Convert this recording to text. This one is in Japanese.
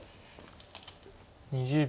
２０秒。